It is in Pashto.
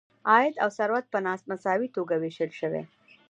عاید او ثروت په نا مساوي توګه ویشل شوی.